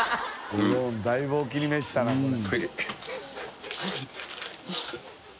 ドローンだいぶお気に召したなこれ。